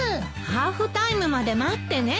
ハーフタイムまで待ってね。